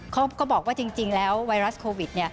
ก็บอกว่าจริงแล้วไวรัสโควิด